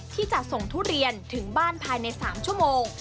ที่จะส่งทุเรียนถึงบ้านภายใน๓ชั่วโมง